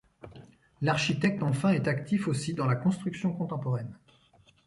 L’architecte, enfin, est actif aussi dans la construction contemporaine.